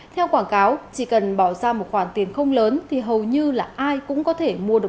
theo quảng cáo chỉ cần bỏ ra một khoản tiền không lớn thì hầu như là ai cũng có thể mua được